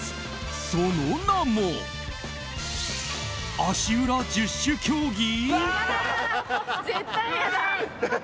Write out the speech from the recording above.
その名も足裏十種競技？